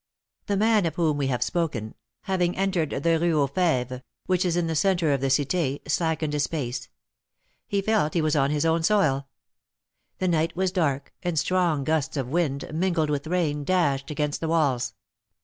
The man of whom we have spoken, having entered the Rue aux Fêves, which is in the centre of the Cité, slackened his pace: he felt he was on his own soil. The night was dark, and strong gusts of wind, mingled with rain, dashed against the walls.